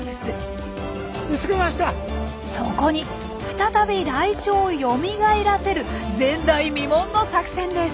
そこに再びライチョウをよみがえらせる前代未聞の作戦です。